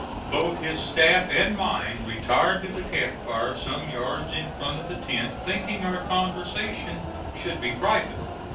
Both his staff and mine retired to the camp fire some yards in front of the tent, thinking our conversation should be private.